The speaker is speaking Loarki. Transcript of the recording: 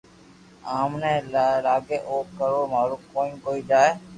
آم ني جي لاگي او ڪرو مارو ڪوئي ڪوئ جائي